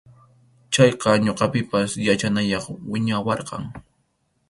Chayqa ñuqapipas yachanayay wiñawarqan.